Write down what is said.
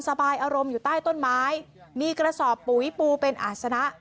สบายอารมณ์อยู่ใต้ต้นไม้มีกระสอบปุ๋ยปูเป็นอาศนะ